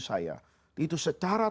saya itu secara